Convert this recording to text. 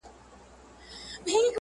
ياقوت شاه لومړی کس وو